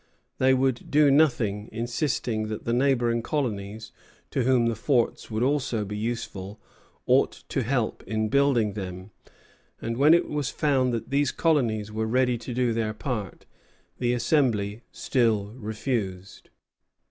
They would do nothing, insisting that the neighboring colonies, to whom the forts would also be useful, ought to help in building them; and when it was found that these colonies were ready to do their part, the Assembly still refused.